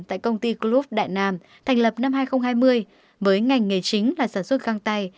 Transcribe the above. tại công ty group đại nam thành lập năm hai nghìn hai mươi với ngành nghề chính là sản xuất găng tay